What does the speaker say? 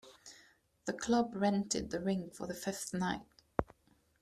The club rented the rink for the fifth night.